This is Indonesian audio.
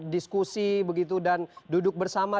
diskusi begitu dan duduk bersama